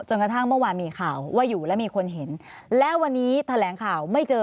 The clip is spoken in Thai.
กระทั่งเมื่อวานมีข่าวว่าอยู่แล้วมีคนเห็นและวันนี้แถลงข่าวไม่เจอ